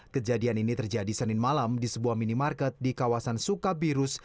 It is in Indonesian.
kejadian ini terjadi senin malam di sebuah minimarket di kawasan sukabirus